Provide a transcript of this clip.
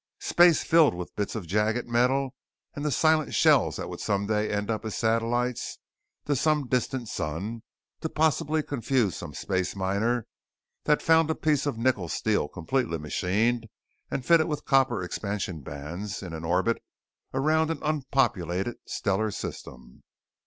Space filled with bits of jagged metal and the silent shells that would someday end up as satellites to some distant sun to possibly confuse some space miner that found a piece of nickel steel completely machined and fitted with copper expansion bands in an orbit around an unpopulated stellar system.